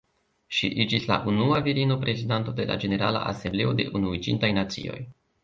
Ŝi iĝis la unua virino prezidanto de la Ĝenerala Asembleo de Unuiĝintaj Nacioj.